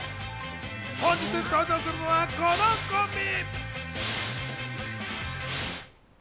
本日登場するのはこのコンビ！